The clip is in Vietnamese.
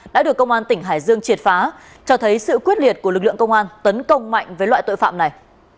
đã được công an tỉnh hải dương triệt phá cho thấy sự quyết liệt của lực lượng công an tấn công mạnh với loại tội phạm này